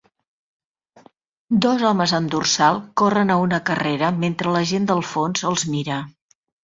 Dos homes amb dorsal corren a una carrera mentre la gent del fons els mira